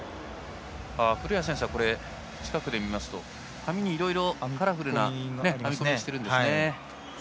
古屋選手は近くで見ますと髪にいろいろカラフルな編み込みをしているんですね。